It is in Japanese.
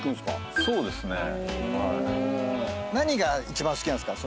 何が一番好きなんですか？